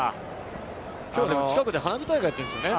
近くで花火大会やってるんですよね。